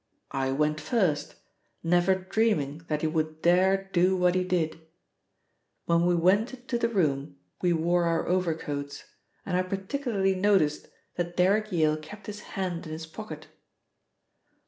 I went first, never dreaming that he would dare do what he did. When we went into the room we wore our overcoats, and I particularly noticed that Derrick Yale kept his hand in his pocket.